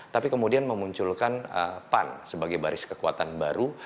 tapi kemudian memunculkan pan sebagai baris kekuatan baru